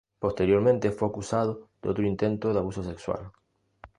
Posteriormente fue acusado de otro intento de abuso sexual.